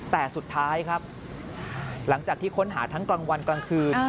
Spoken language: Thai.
แต่สุดท้ายครับหลังจากที่ค้นหาทั้งกลางวันกลางคืน